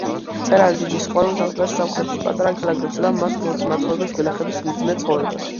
მწერალი დიდი სიყვარულით აღწერს სამხრეთის პატარა ქალაქებსა და მის მაცხოვრებლებს, გლეხების მძიმე ცხოვრებას.